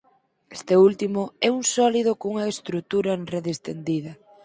Este último é un sólido cunha estrutura en rede estendida.